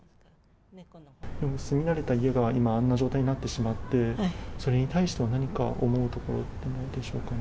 住み慣れた家が今、あんな状態になってしまって、それに対しては何か思うところってないでしょうかね？